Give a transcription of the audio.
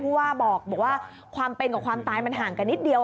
ผู้ว่าบอกว่าความเป็นกับความตายมันห่างกันนิดเดียว